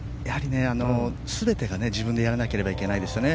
全てが自分でやらなきゃいけないですよね。